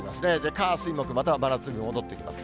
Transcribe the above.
火、水、木また真夏に戻ってきます。